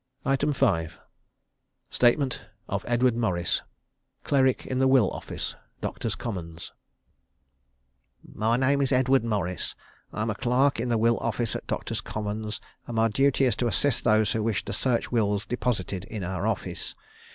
5. Statement of Edward Morris, Cleric in the Will Office, Doctors' Commons. "My name is Edward Morris. I am a clerk in the Will Office at Doctors' Commons, and my duty is to assist those who wish to search wills deposited in our office.